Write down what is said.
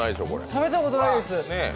食べたことないです。